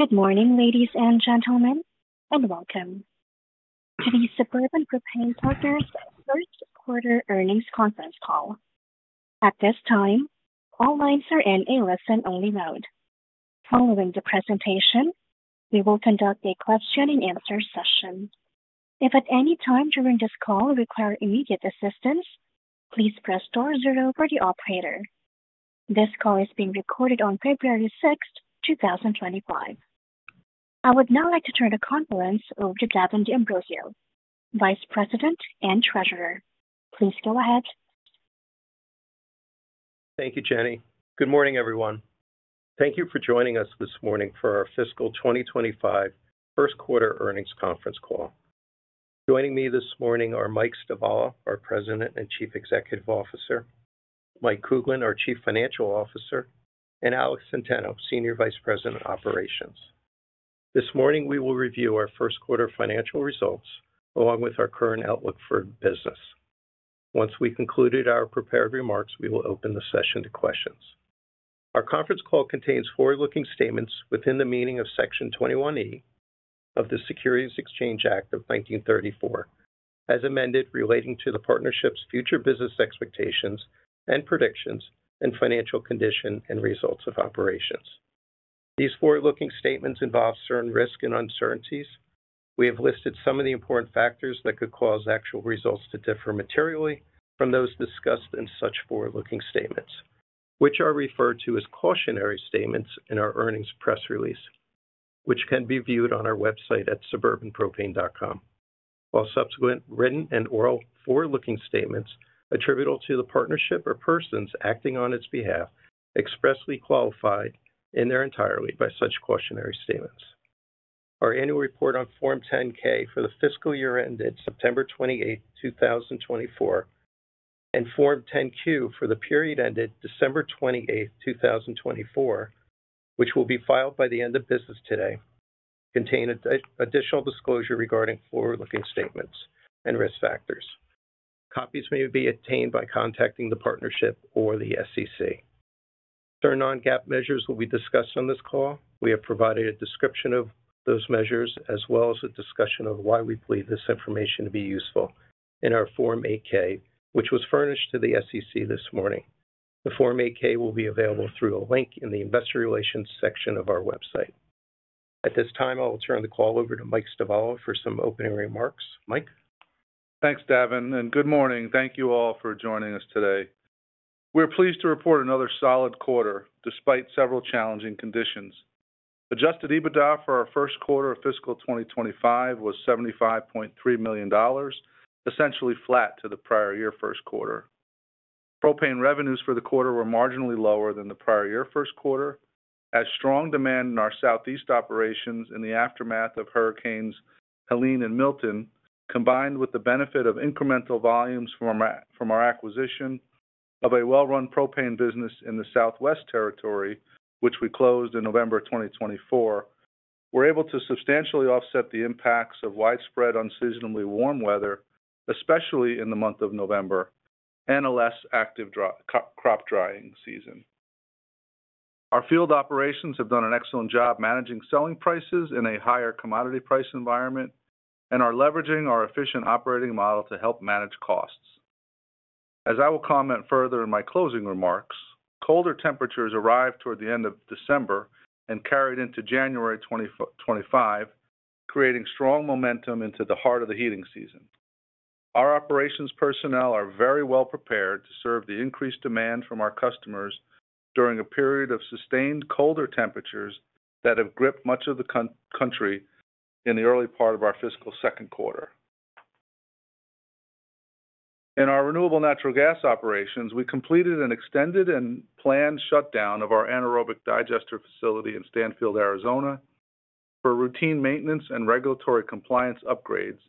Good morning, ladies and gentlemen, and welcome to the Suburban Propane Partners First Quarter Earnings Conference Call. At this time, all lines are in a listen-only mode. Following the presentation, we will conduct a question-and-answer session. If at any time during this call you require immediate assistance, please press star zero for the operator. This call is being recorded on February 6th, 2025. I would now like to turn the conference over to Davin D'Ambrosio, Vice President and Treasurer. Please go ahead. Thank you, Jenny. Good morning, everyone. Thank you for joining us this morning for our Fiscal 2025 First Quarter Earnings Conference Call. Joining me this morning are Mike Stivala, our President and Chief Executive Officer, Mike Kuglin, our Chief Financial Officer, and Alex Centeno, Senior Vice President, Operations. This morning, we will review our first quarter financial results along with our current outlook for business. Once we've concluded our prepared remarks, we will open the session to questions. Our conference call contains forward-looking statements within the meaning of Section 21E of the Securities Exchange Act of 1934, as amended, relating to the partnership's future business expectations and predictions and financial condition and results of operations. These forward-looking statements involve certain risks and uncertainties. We have listed some of the important factors that could cause actual results to differ materially from those discussed in such forward-looking statements, which are referred to as cautionary statements in our earnings press release, which can be viewed on our website at suburbanpropane.com, while subsequent written and oral forward-looking statements attributable to the partnership or persons acting on its behalf expressly qualified in their entirety by such cautionary statements. Our annual report on Form 10-K for the fiscal year ended September 28th, 2024, and Form 10-Q for the period ended December 28th, 2024, which will be filed by the end of business today, contain an additional disclosure regarding forward-looking statements and risk factors. Copies may be obtained by contacting the partnership or the SEC. Certain non-GAAP measures will be discussed on this call. We have provided a description of those measures as well as a discussion of why we believe this information to be useful in our Form 8-K, which was furnished to the SEC this morning. The Form 8-K will be available through a link in the investor relations section of our website. At this time, I will turn the call over to Mike Stivala for some opening remarks. Mike. Thanks, Davin, and good morning. Thank you all for joining us today. We're pleased to report another solid quarter despite several challenging conditions. Adjusted EBITDA for our first quarter of fiscal 2025 was $75.3 million, essentially flat to the prior year first quarter. Propane revenues for the quarter were marginally lower than the prior year first quarter, as strong demand in our southeast operations in the aftermath of Hurricanes Helene and Milton, combined with the benefit of incremental volumes from our acquisition of a well-run propane business in the southwest territory, which we closed in November 2024, were able to substantially offset the impacts of widespread unseasonably warm weather, especially in the month of November, and a less active crop drying season. Our field operations have done an excellent job managing selling prices in a higher commodity price environment and are leveraging our efficient operating model to help manage costs. As I will comment further in my closing remarks, colder temperatures arrived toward the end of December and carried into January 2025, creating strong momentum into the heart of the heating season. Our operations personnel are very well prepared to serve the increased demand from our customers during a period of sustained colder temperatures that have gripped much of the country in the early part of our fiscal second quarter. In our renewable natural gas operations, we completed an extended and planned shutdown of our anaerobic digester facility in Stanfield, Arizona, for routine maintenance and regulatory compliance upgrades,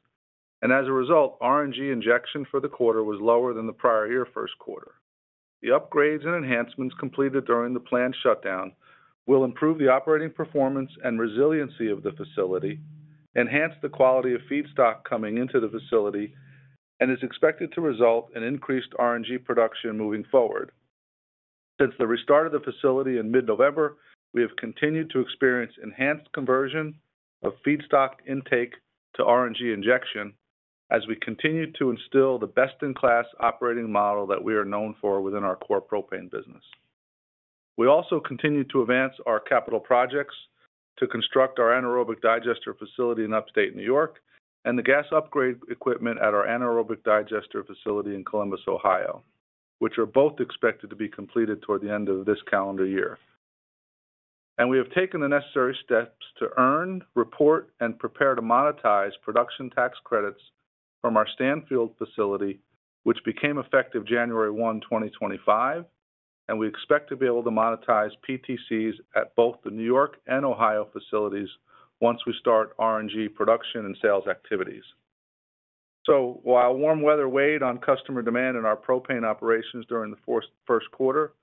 and as a result, RNG injection for the quarter was lower than the prior year first quarter. The upgrades and enhancements completed during the planned shutdown will improve the operating performance and resiliency of the facility, enhance the quality of feedstock coming into the facility, and is expected to result in increased RNG production moving forward. Since the restart of the facility in mid-November, we have continued to experience enhanced conversion of feedstock intake to RNG injection as we continue to instill the best-in-class operating model that we are known for within our core propane business. We also continue to advance our capital projects to construct our anaerobic digester facility in Upstate New York and the gas upgrade equipment at our anaerobic digester facility in Columbus, Ohio, which are both expected to be completed toward the end of this calendar year. We have taken the necessary steps to earn, report, and prepare to monetize production tax credits from our Stanfield facility, which became effective January 1, 2025, and we expect to be able to monetize PTCs at both the New York and Ohio facilities once we start RNG production and sales activities. So while warm weather weighed on customer demand in our propane operations during the first quarter,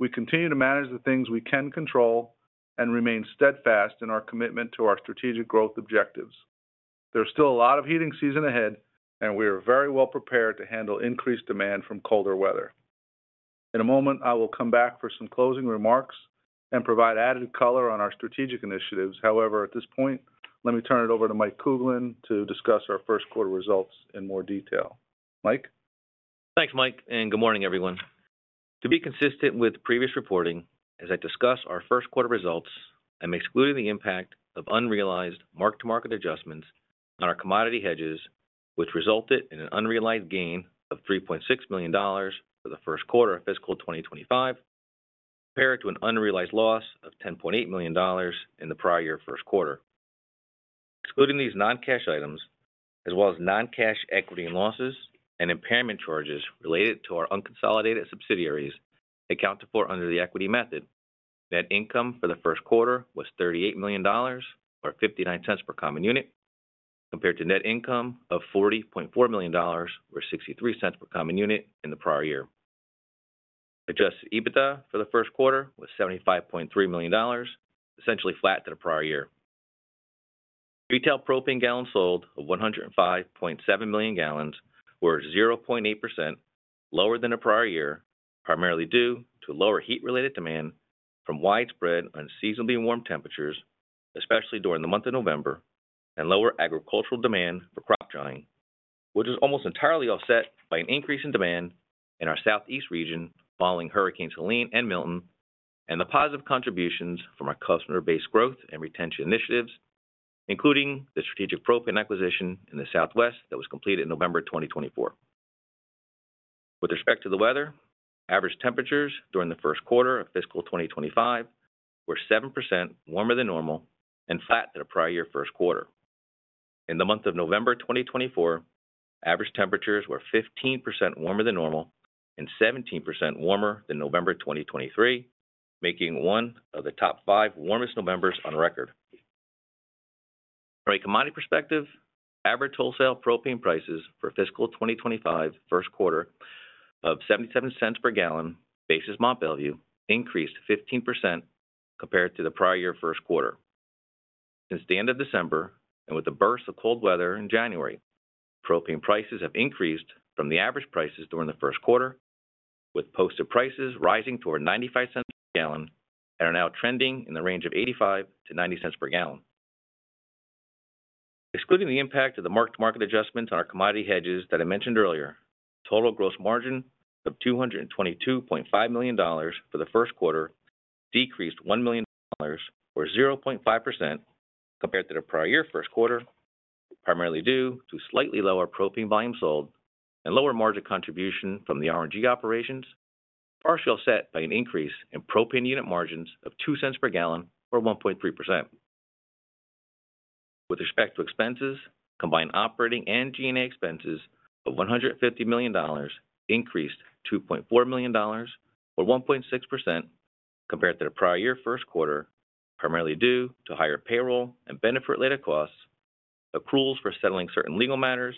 we continue to manage the things we can control and remain steadfast in our commitment to our strategic growth objectives. There's still a lot of heating season ahead, and we are very well prepared to handle increased demand from colder weather. In a moment, I will come back for some closing remarks and provide added color on our strategic initiatives. However, at this point, let me turn it over to Mike Kuglin to discuss our first quarter results in more detail. Mike. Thanks, Mike, and good morning, everyone. To be consistent with previous reporting, as I discuss our first quarter results, I'm excluding the impact of unrealized mark-to-market adjustments on our commodity hedges, which resulted in an unrealized gain of $3.6 million for the first quarter of fiscal 2025, compared to an unrealized loss of $10.8 million in the prior year first quarter. Excluding these non-cash items, as well as non-cash equity losses and impairment charges related to our unconsolidated subsidiaries that are accounted for under the equity method, net income for the first quarter was $38 million, or $0.59 per common unit, compared to net income of $40.4 million, or $0.63 per common unit in the prior year. Adjusted EBITDA for the first quarter was $75.3 million, essentially flat to the prior year. Retail propane gallons sold of 105.7 million gal were 0.8% lower than the prior year, primarily due to lower heat-related demand from widespread unseasonably warm temperatures, especially during the month of November, and lower agricultural demand for crop drying, which was almost entirely offset by an increase in demand in our southeast region following Hurricanes Helene and Milton, and the positive contributions from our customer-based growth and retention initiatives, including the strategic propane acquisition in the southwest that was completed in November 2024. With respect to the weather, average temperatures during the first quarter of fiscal 2025 were 7% warmer than normal and flat to the prior year first quarter. In the month of November 2024, average temperatures were 15% warmer than normal and 17% warmer than November 2023, making one of the top five warmest Novembers on record. From a commodity perspective, average wholesale propane prices for fiscal 2025 first quarter of $0.77 per gallon basis Mont Belvieu increased 15% compared to the prior year first quarter. Since the end of December and with the burst of cold weather in January, propane prices have increased from the average prices during the first quarter, with posted prices rising toward $0.95 per gallon and are now trending in the range of $0.85-$0.90 per gallon. Excluding the impact of the mark-to-market adjustments on our commodity hedges that I mentioned earlier, total gross margin of $222.5 million for the first quarter decreased $1 million, or 0.5%, compared to the prior year first quarter, primarily due to slightly lower propane volume sold and lower margin contribution from the RNG operations, partially offset by an increase in propane unit margins of $0.02 per gallon, or 1.3%. With respect to expenses, combined operating and G&A expenses of $150 million increased $2.4 million, or 1.6%, compared to the prior year first quarter, primarily due to higher payroll and benefit-related costs, accruals for settling certain legal matters,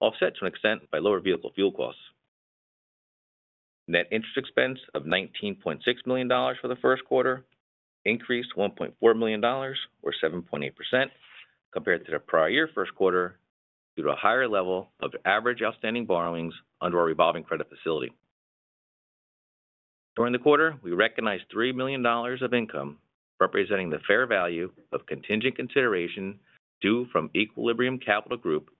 offset to an extent by lower vehicle fuel costs. Net interest expense of $19.6 million for the first quarter increased $1.4 million, or 7.8%, compared to the prior year first quarter due to a higher level of average outstanding borrowings under our revolving credit facility. During the quarter, we recognized $3 million of income representing the fair value of contingent consideration due from Equilibrium Capital Group,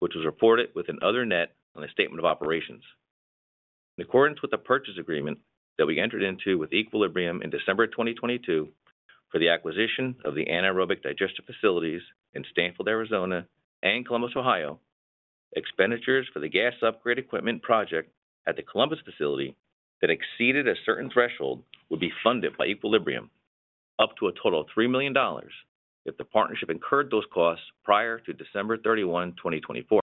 which was reported within other net on the statement of operations. In accordance with the purchase agreement that we entered into with Equilibrium in December 2022 for the acquisition of the anaerobic digester facilities in Stanfield, Arizona, and Columbus, Ohio, expenditures for the gas upgrade equipment project at the Columbus facility that exceeded a certain threshold would be funded by Equilibrium up to a total of $3 million if the partnership incurred those costs prior to December 31, 2024.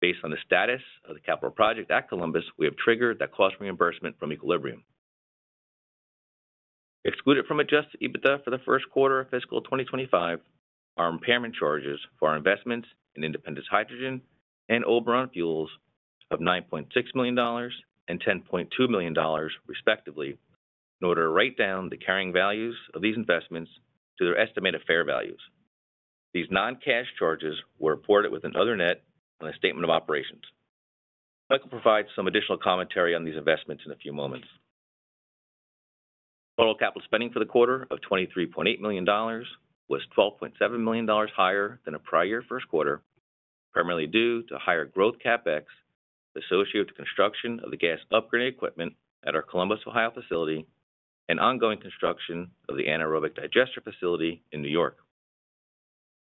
Based on the status of the capital project at Columbus, we have triggered that cost reimbursement from Equilibrium. Excluded from Adjusted EBITDA for the first quarter of fiscal 2025 are impairment charges for our investments in Independence Hydrogen and Oberon Fuels of $9.6 million and $10.2 million, respectively, in order to write down the carrying values of these investments to their estimated fair values. These non-cash charges were reported within other net on the statement of operations. Michael provides some additional commentary on these investments in a few moments. Total capital spending for the quarter of $23.8 million was $12.7 million higher than the prior year first quarter, primarily due to higher growth CapEx associated with the construction of the gas upgrade equipment at our Columbus, Ohio facility and ongoing construction of the anaerobic digester facility in New York.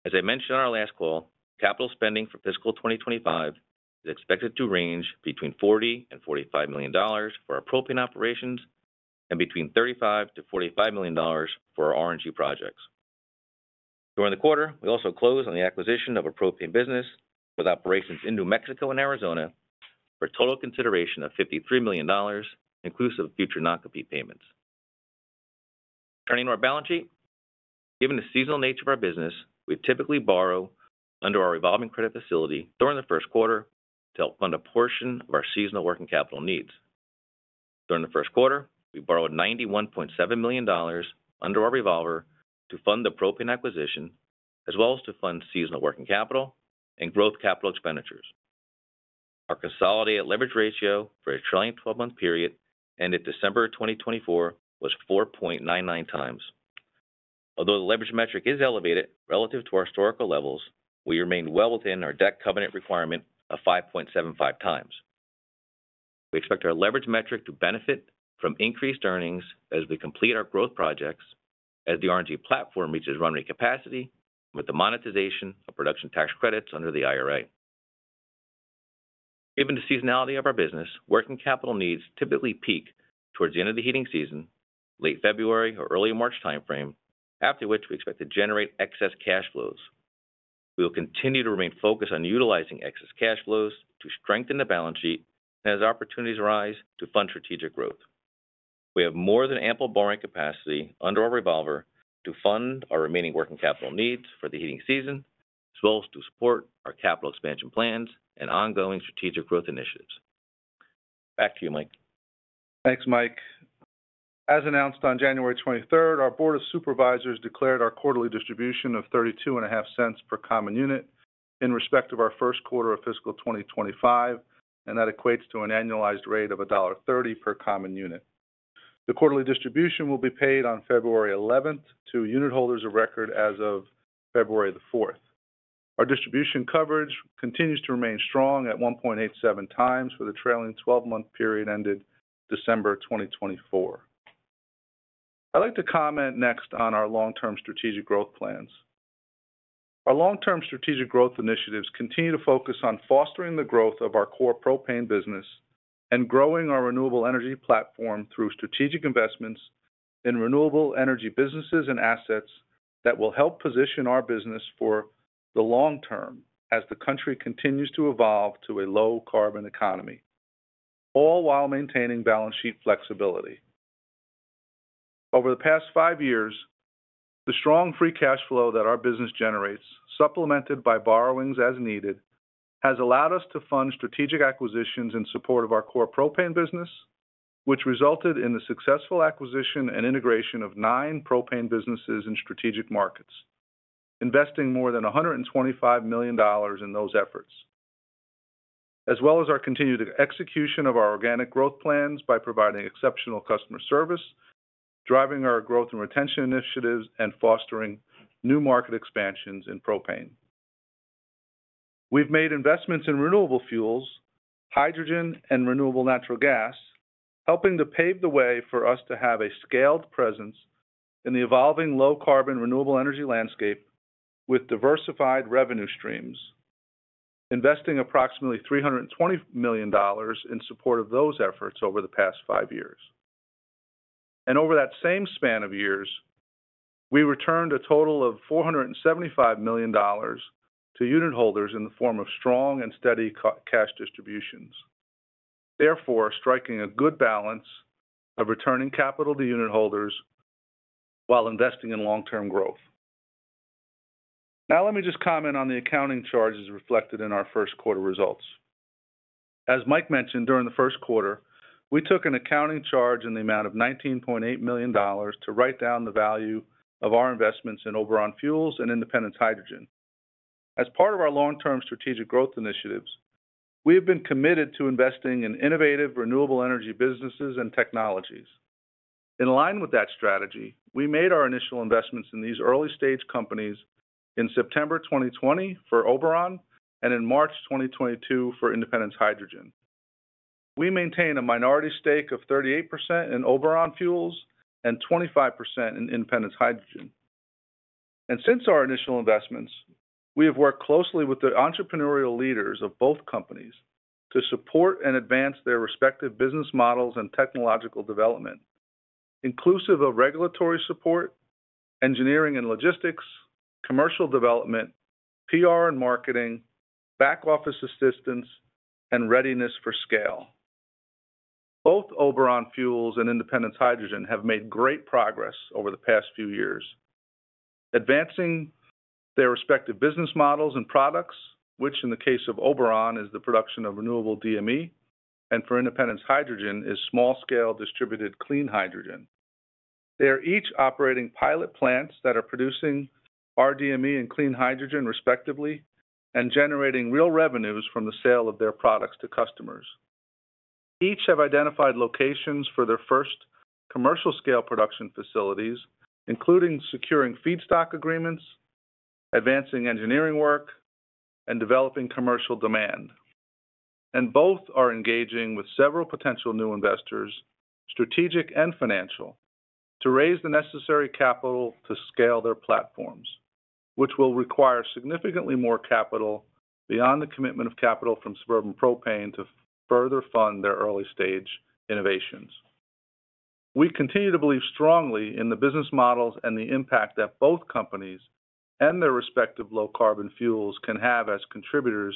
As I mentioned on our last call, capital spending for fiscal 2025 is expected to range between $40 million and $45 million for our propane operations and between $35 million-$45 million for our RNG projects. During the quarter, we also closed on the acquisition of a propane business with operations in New Mexico and Arizona for a total consideration of $53 million, inclusive of future non-compete payments. Turning to our balance sheet, given the seasonal nature of our business, we typically borrow under our revolving credit facility during the first quarter to help fund a portion of our seasonal working capital needs. During the first quarter, we borrowed $91.7 million under our revolver to fund the propane acquisition, as well as to fund seasonal working capital and growth capital expenditures. Our consolidated leverage ratio for the trailing 12-month period ended December 2024 was 4.99x. Although the leverage metric is elevated relative to our historical levels, we remain well within our debt covenant requirement of 5.75x. We expect our leverage metric to benefit from increased earnings as we complete our growth projects as the RNG platform reaches runway capacity with the monetization of production tax credits under the IRA. Given the seasonality of our business, working capital needs typically peak towards the end of the heating season, late February or early March timeframe, after which we expect to generate excess cash flows. We will continue to remain focused on utilizing excess cash flows to strengthen the balance sheet and as opportunities arise to fund strategic growth. We have more than ample borrowing capacity under our revolver to fund our remaining working capital needs for the heating season, as well as to support our capital expansion plans and ongoing strategic growth initiatives. Back to you, Mike. Thanks, Mike. As announced on January 23rd, our Board of Supervisors declared our quarterly distribution of $0.325 per common unit in respect of our first quarter of fiscal 2025, and that equates to an annualized rate of $1.30 per common unit. The quarterly distribution will be paid on February 11th to unit holders of record as of February the 4th. Our distribution coverage continues to remain strong at 1.87x for the trailing 12-month period ended December 2024. I'd like to comment next on our long-term strategic growth plans. Our long-term strategic growth initiatives continue to focus on fostering the growth of our core propane business and growing our renewable energy platform through strategic investments in renewable energy businesses and assets that will help position our business for the long term as the country continues to evolve to a low-carbon economy, all while maintaining balance sheet flexibility. Over the past five years, the strong free cash flow that our business generates, supplemented by borrowings as needed, has allowed us to fund strategic acquisitions in support of our core propane business, which resulted in the successful acquisition and integration of nine propane businesses in strategic markets, investing more than $125 million in those efforts, as well as our continued execution of our organic growth plans by providing exceptional customer service, driving our growth and retention initiatives, and fostering new market expansions in propane. We've made investments in renewable fuels, hydrogen, and renewable natural gas, helping to pave the way for us to have a scaled presence in the evolving low-carbon renewable energy landscape with diversified revenue streams, investing approximately $320 million in support of those efforts over the past five years. Over that same span of years, we returned a total of $475 million to unit holders in the form of strong and steady cash distributions, therefore striking a good balance of returning capital to unit holders while investing in long-term growth. Now, let me just comment on the accounting charges reflected in our first quarter results. As Mike mentioned, during the first quarter, we took an accounting charge in the amount of $19.8 million to write down the value of our investments in Oberon Fuels and Independence Hydrogen. As part of our long-term strategic growth initiatives, we have been committed to investing in innovative renewable energy businesses and technologies. In line with that strategy, we made our initial investments in these early-stage companies in September 2020 for Oberon and in March 2022 for Independence Hydrogen. We maintain a minority stake of 38% in Oberon Fuels and 25% in Independence Hydrogen. And since our initial investments, we have worked closely with the entrepreneurial leaders of both companies to support and advance their respective business models and technological development, inclusive of regulatory support, engineering and logistics, commercial development, PR and marketing, back office assistance, and readiness for scale. Both Oberon Fuels and Independence Hydrogen have made great progress over the past few years, advancing their respective business models and products, which in the case of Oberon is the production of renewable DME, and for Independence Hydrogen is small-scale distributed clean hydrogen. They are each operating pilot plants that are producing rDME and clean hydrogen, respectively, and generating real revenues from the sale of their products to customers. Each have identified locations for their first commercial-scale production facilities, including securing feedstock agreements, advancing engineering work, and developing commercial demand, and both are engaging with several potential new investors, strategic and financial, to raise the necessary capital to scale their platforms, which will require significantly more capital beyond the commitment of capital from Suburban Propane to further fund their early-stage innovations. We continue to believe strongly in the business models and the impact that both companies and their respective low-carbon fuels can have as contributors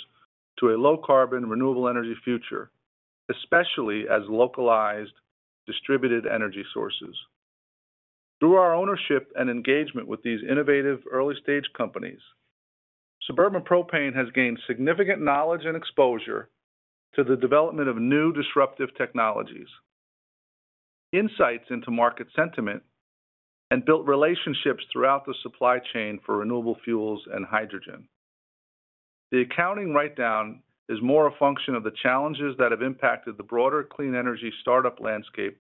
to a low-carbon renewable energy future, especially as localized distributed energy sources. Through our ownership and engagement with these innovative early-stage companies, Suburban Propane has gained significant knowledge and exposure to the development of new disruptive technologies, insights into market sentiment, and built relationships throughout the supply chain for renewable fuels and hydrogen. The accounting write-down is more a function of the challenges that have impacted the broader clean energy startup landscape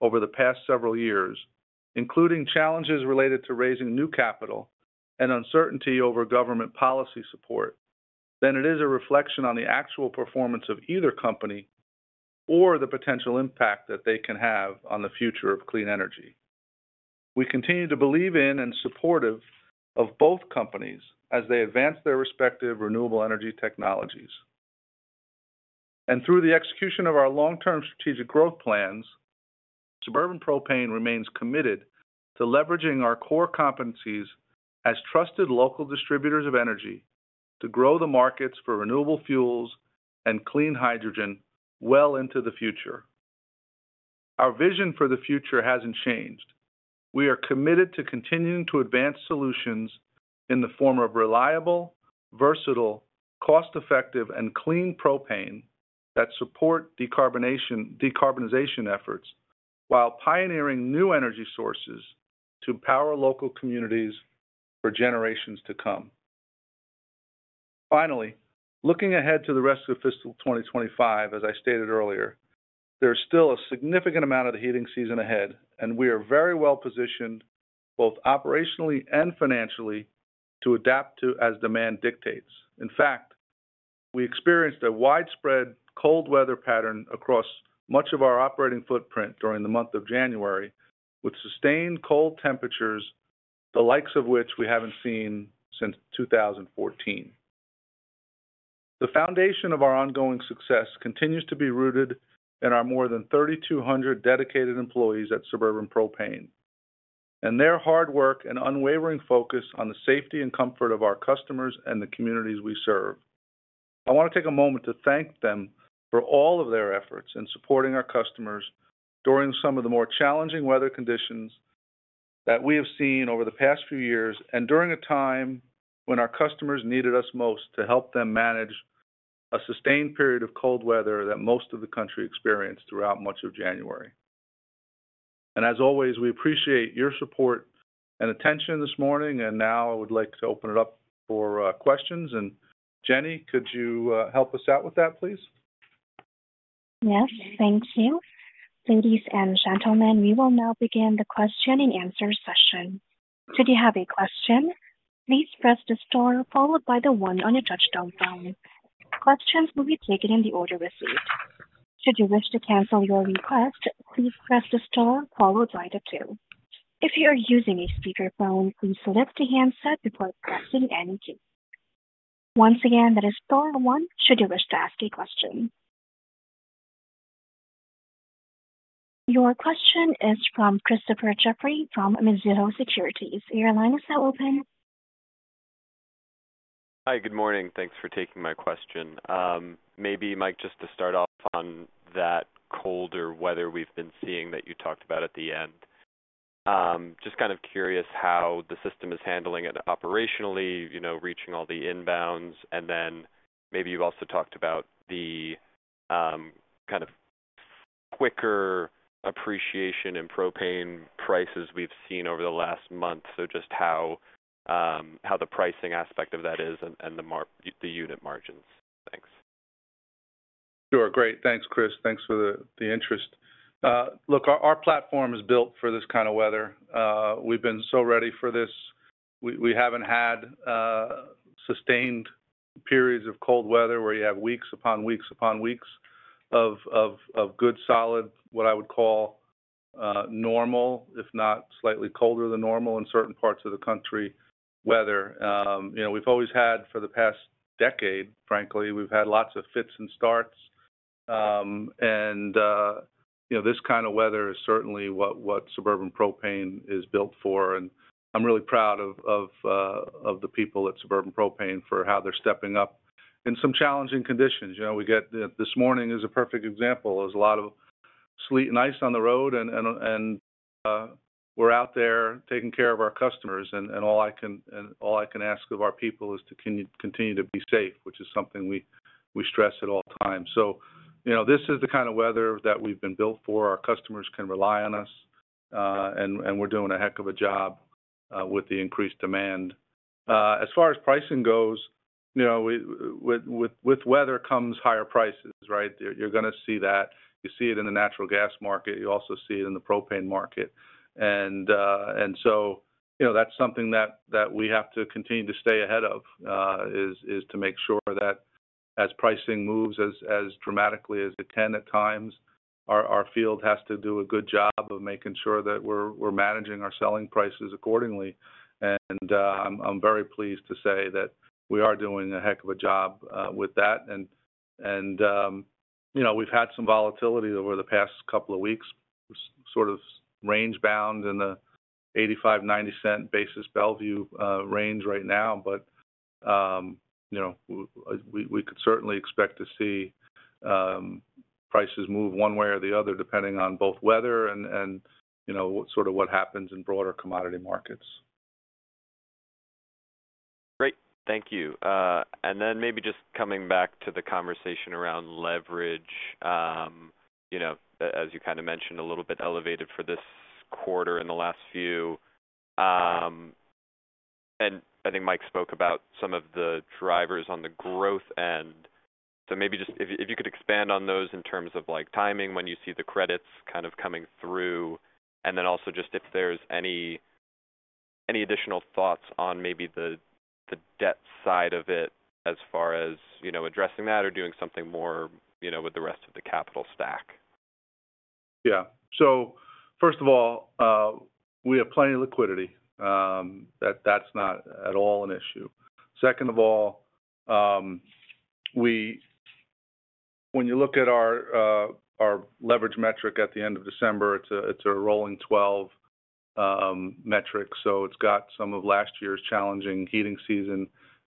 over the past several years, including challenges related to raising new capital and uncertainty over government policy support, than it is a reflection on the actual performance of either company or the potential impact that they can have on the future of clean energy. We continue to believe in and support both companies as they advance their respective renewable energy technologies. And through the execution of our long-term strategic growth plans, Suburban Propane remains committed to leveraging our core competencies as trusted local distributors of energy to grow the markets for renewable fuels and clean hydrogen well into the future. Our vision for the future hasn't changed. We are committed to continuing to advance solutions in the form of reliable, versatile, cost-effective, and clean propane that support decarbonization efforts while pioneering new energy sources to power local communities for generations to come. Finally, looking ahead to the rest of fiscal 2025, as I stated earlier, there is still a significant amount of the heating season ahead, and we are very well positioned both operationally and financially to adapt to as demand dictates. In fact, we experienced a widespread cold weather pattern across much of our operating footprint during the month of January, with sustained cold temperatures the likes of which we haven't seen since 2014. The foundation of our ongoing success continues to be rooted in our more than 3,200 dedicated employees at Suburban Propane, and their hard work and unwavering focus on the safety and comfort of our customers and the communities we serve. I want to take a moment to thank them for all of their efforts in supporting our customers during some of the more challenging weather conditions that we have seen over the past few years and during a time when our customers needed us most to help them manage a sustained period of cold weather that most of the country experienced throughout much of January, and as always, we appreciate your support and attention this morning, and now I would like to open it up for questions, and Jenny, could you help us out with that, please? Yes, thank you. Ladies and gentlemen, we will now begin the question and answer session. Should you have a question, please press the star followed by the one on your touch-tone phone. Questions will be taken in the order received. Should you wish to cancel your request, please press the star followed by the two. If you are using a speakerphone, please select a handset before pressing any key. Once again, that is star one. Should you wish to ask a question? Your question is from Christopher Jeffrey from Mizuho Securities. Your line is now open. Hi, good morning. Thanks for taking my question. Maybe, Mike, just to start off on that colder weather we've been seeing that you talked about at the end, just kind of curious how the system is handling it operationally, reaching all the inbounds, and then maybe you've also talked about the kind of quicker appreciation in propane prices we've seen over the last month, so just how the pricing aspect of that is and the unit margins. Thanks. Sure. Great. Thanks, Chris. Thanks for the interest. Look, our platform is built for this kind of weather. We've been so ready for this. We haven't had sustained periods of cold weather where you have weeks upon weeks upon weeks of good, solid, what I would call normal, if not slightly colder than normal in certain parts of the country weather. We've always had, for the past decade, frankly, we've had lots of fits and starts. And this kind of weather is certainly what Suburban Propane is built for. And I'm really proud of the people at Suburban Propane for how they're stepping up in some challenging conditions. This morning is a perfect example. There's a lot of sleet and ice on the road, and we're out there taking care of our customers. All I can ask of our people is to continue to be safe, which is something we stress at all times. So this is the kind of weather that we've been built for. Our customers can rely on us, and we're doing a heck of a job with the increased demand. As far as pricing goes, with weather comes higher prices, right? You're going to see that. You see it in the natural gas market. You also see it in the propane market. And so that's something that we have to continue to stay ahead of, is to make sure that as pricing moves as dramatically as it can at times, our field has to do a good job of making sure that we're managing our selling prices accordingly. And I'm very pleased to say that we are doing a heck of a job with that. And we've had some volatility over the past couple of weeks, sort of range-bound in the $0.85-$0.90 basis Belvieu range right now. But we could certainly expect to see prices move one way or the other depending on both weather and sort of what happens in broader commodity markets. Great. Thank you. And then maybe just coming back to the conversation around leverage, as you kind of mentioned, a little bit elevated for this quarter in the last few. And I think Mike spoke about some of the drivers on the growth end. So maybe just if you could expand on those in terms of timing when you see the credits kind of coming through, and then also just if there's any additional thoughts on maybe the debt side of it as far as addressing that or doing something more with the rest of the capital stack. Yeah. So first of all, we have plenty of liquidity. That's not at all an issue. Second of all, when you look at our leverage metric at the end of December, it's a rolling 12 metric. So it's got some of last year's challenging heating season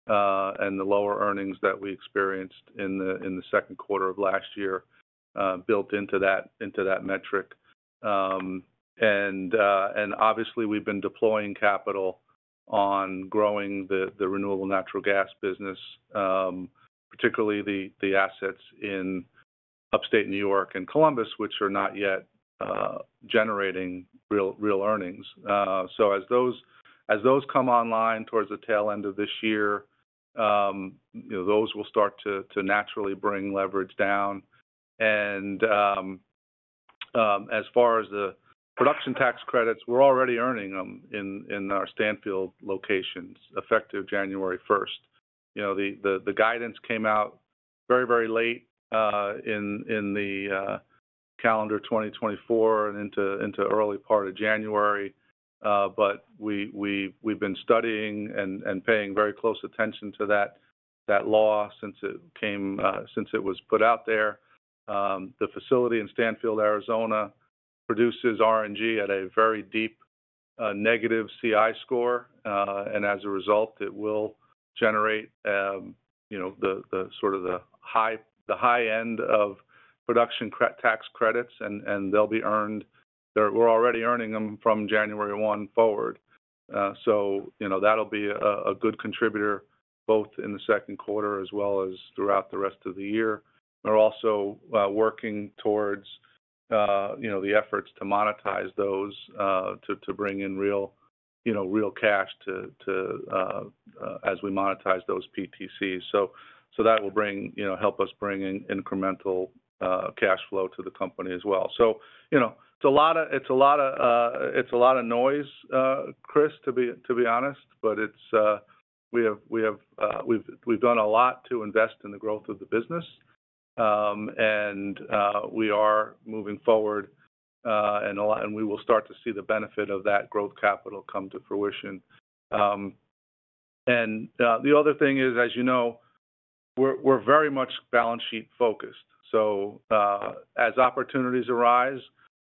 and the lower earnings that we experienced in the second quarter of last year built into that metric. And obviously, we've been deploying capital on growing the renewable natural gas business, particularly the assets in Upstate New York and Columbus, which are not yet generating real earnings. So as those come online towards the tail end of this year, those will start to naturally bring leverage down. And as far as the production tax credits, we're already earning them in our Stanfield locations effective January 1st. The guidance came out very, very late in the calendar 2024 and into early part of January. But we've been studying and paying very close attention to that law since it was put out there. The facility in Stanfield, Arizona, produces RNG at a very deep negative CI score. And as a result, it will generate sort of the high end of production tax credits, and they'll be earned. We're already earning them from January 1 forward. So that'll be a good contributor both in the second quarter as well as throughout the rest of the year. We're also working towards the efforts to monetize those to bring in real cash as we monetize those PTCs. So that will help us bring in incremental cash flow to the company as well. So it's a lot of noise, Chris, to be honest. But we have done a lot to invest in the growth of the business. We are moving forward, and we will start to see the benefit of that growth capital come to fruition. The other thing is, as you know, we're very much balance sheet focused. As opportunities arise,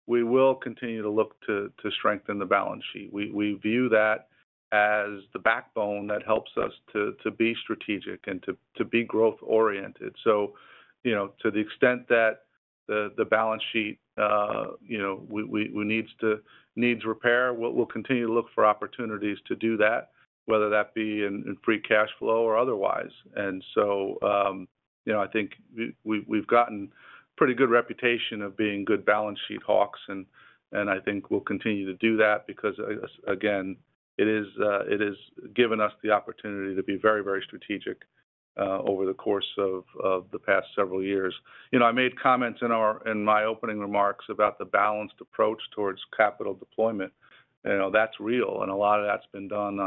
we will continue to look to strengthen the balance sheet. We view that as the backbone that helps us to be strategic and to be growth-oriented. To the extent that the balance sheet needs repair, we'll continue to look for opportunities to do that, whether that be in free cash flow or otherwise. I think we've gotten a pretty good reputation of being good balance sheet hawks. I think we'll continue to do that because, again, it has given us the opportunity to be very, very strategic over the course of the past several years. I made comments in my opening remarks about the balanced approach towards capital deployment. That's real. And a lot of that's been done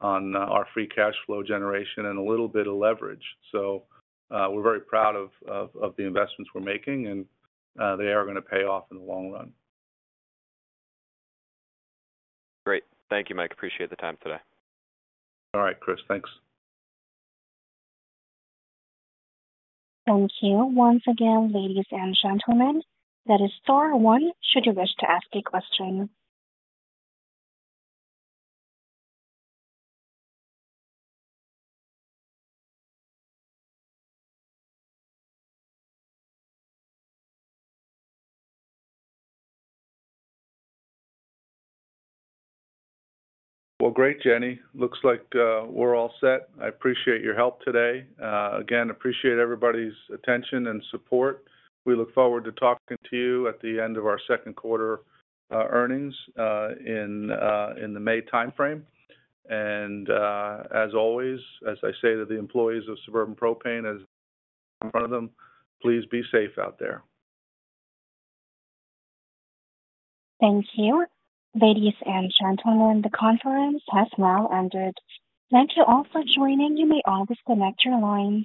on our free cash flow generation and a little bit of leverage. So we're very proud of the investments we're making, and they are going to pay off in the long run. Great. Thank you, Mike. Appreciate the time today. All right, Chris. Thanks. Thank you. Once again, ladies and gentlemen, that is star one, should you wish to ask a question. Great, Jenny. Looks like we're all set. I appreciate your help today. Again, appreciate everybody's attention and support. We look forward to talking to you at the end of our second quarter earnings in the May timeframe. And as always, as I say to the employees of Suburban Propane, as I'm in front of them, please be safe out there. Thank you. Ladies and gentlemen, the conference has now ended. Thank you all for joining. You may now disconnect your lines.